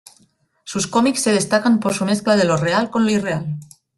Sus cómics se destacan por su mezcla de lo real con lo irreal.